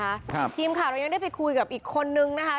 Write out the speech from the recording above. ครับครับทีมค่ะเรายังได้ไปคุยกับอีกคนนึงนะคะ